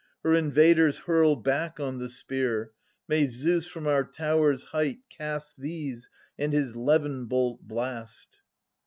Her invaders hurl back on the spear. May Zeus from our towers' height cast These, and his levin bolt blast